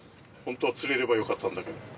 本当は釣れればよかったんだけど。